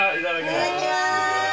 いただきます。